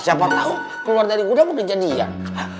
siapa tau keluar dari gudang mungkin jadi yang